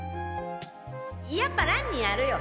やっぱ蘭にやるよ